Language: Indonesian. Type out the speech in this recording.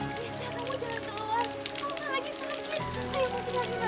berikan kami betul per installing jahat mengatasi kesekecon skala berikutnya